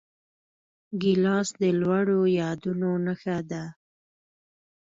ګیلاس د لوړو یادونو نښه ده.